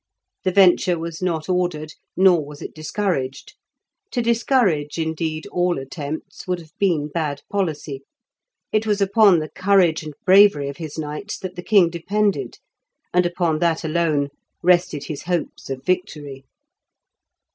The venture was not ordered, nor was it discouraged; to discourage, indeed, all attempts would have been bad policy; it was upon the courage and bravery of his knights that the king depended, and upon that alone rested his hopes of victory.